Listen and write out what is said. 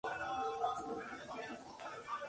Tirando ella, el usuario levanta verticalmente al rival.